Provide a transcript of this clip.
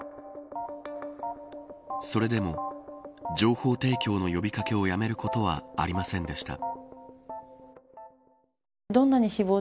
それでも、情報提供の呼び掛けをやめることはありませんでした。